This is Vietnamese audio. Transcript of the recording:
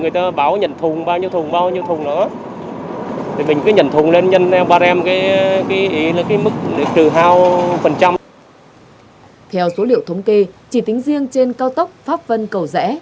theo số liệu thống kê chỉ tính riêng trên cao tốc pháp vân cầu rẽ